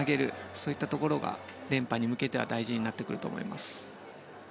そういったところが連覇に向けては大事になってくると思います。